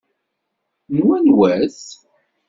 N wanwa-t?